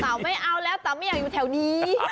ไม่เอาแล้วแต่ไม่อยากอยู่แถวนี้